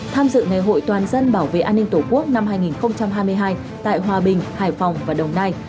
tham dự ngày hội toàn dân bảo vệ an ninh tổ quốc năm hai nghìn hai mươi hai tại hòa bình hải phòng và đồng nai